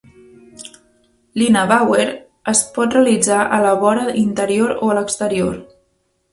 L'Ina Bauer es pot realitzar a la vora interior o a l'exterior.